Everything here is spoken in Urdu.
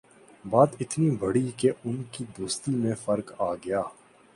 بات اتنی بڑھی کہ ان کی دوستی میں فرق آگیا